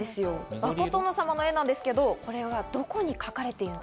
バカ殿様の絵なんですが、これはどこに描かれているか。